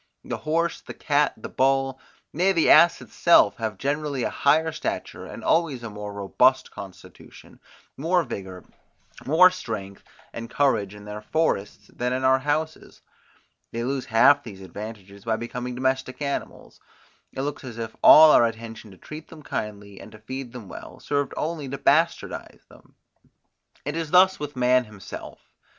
The horse, the cat, the bull, nay the ass itself, have generally a higher stature, and always a more robust constitution, more vigour, more strength and courage in their forests than in our houses; they lose half these advantages by becoming domestic animals; it looks as if all our attention to treat them kindly, and to feed them well, served only to bastardize them. It is thus with man himself.